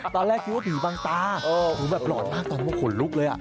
ตอนแรกคิดว่าผิวบางตาหูแบบหลอดมากตอนนั้นขนลุกเลย